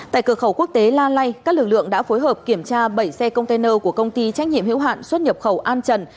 tại cửa khẩu quốc tế la lai các lực lượng đã phối hợp kiểm tra bảy xe container của công ty trách nhiệm hiệu hạn xuất nhập khẩu an trần